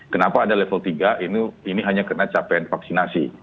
kenapa ada level tiga ini hanya karena capaian vaksinasi